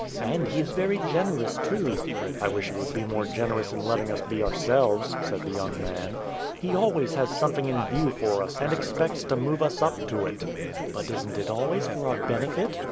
And he is very generous, too." "I wish he would be more generous in letting us be ourselves," said the young man. "He always has something in view for us and expects to move us up to it." "But isn't it always for our benefit?"